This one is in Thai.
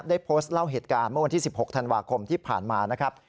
ได้โพสต์เล่าเหตุการณ์เมื่อวันที่๑๖ธันวาคมที่ผ่านมานะครับ